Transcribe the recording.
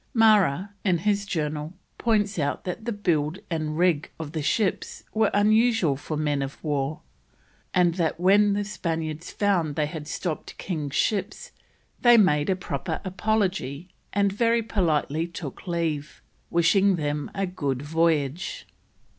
Marra, in his Journal, points out that the build and rig of the ships were unusual for men o' war, and that when the Spaniards found they had stopped king's ships, they "made a proper apology, and very politely took leave, wishing them a good voyage."